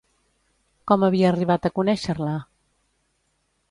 Com havia arribat a conèixer-la?